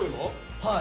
はい。